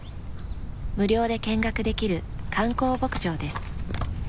無料で見学できる観光牧場です。